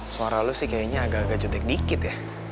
suara lo sih kayaknya agak agak jentik dikit ya